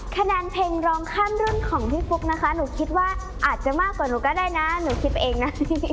คะแนนเพลงร้องข้ามรุ่นของพี่ฟุ๊กนะคะหนูคิดว่าอาจจะมากกว่าหนูก็ได้นะหนูคิดไปเองนะ